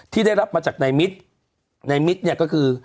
ที่ได้รับมาจากนายมิตรนายมิตรเนี่ยก็คือ